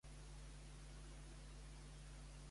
I Rivera com ha rebatut?